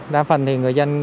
đa phần thì người dân